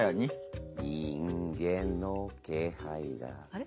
あれ？